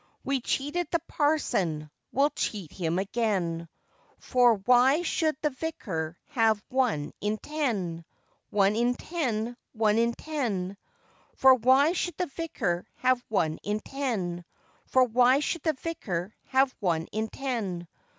We cheated the parson, we'll cheat him again; For why should the vicar have one in ten? One in ten! one in ten! For why should the vicar have one in ten? For why should the vicar have one in ten?